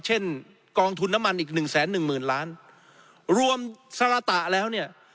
เช่นกองทุนน้ำมันอีก๑แสน๑หมื่นล้านรวมสรรตะแล้วเนี่ย